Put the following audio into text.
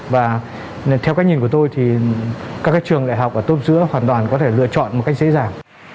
và theo cách nhìn của tôi thì các trường đại học ở tốt giữa hoàn toàn có thể lựa chọn một cách dễ dàng